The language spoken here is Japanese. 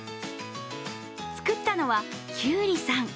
作ったのは、きゅうりさん。